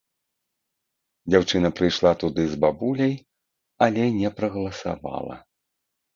Дзяўчына прыйшла туды з бабуляй, але не прагаласавала.